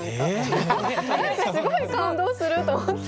何かすごい感動すると思って。